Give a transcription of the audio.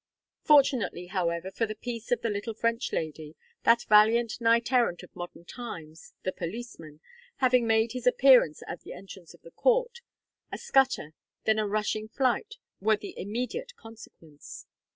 Fortunately, however, for the peace of the little French lady, that valiant knight errant of modern times, the policeman, having made his appearance at the entrance of the court, a scutter, then a rushing flight, were the immediate consequence.